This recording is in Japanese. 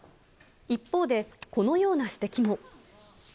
一方で、このような指摘も。